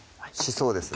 そうですね